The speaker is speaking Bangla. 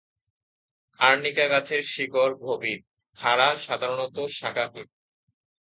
আরনিকা গাছের শিকড় গভীর, খাড়া, সাধারণত শাখাহীন।